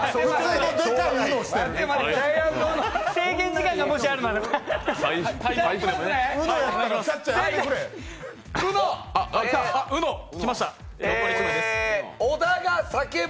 制限時間がもしあるならば。